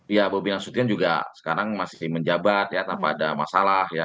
iya bapak bina sutian juga sekarang masih menjabat ya tanpa ada masalah ya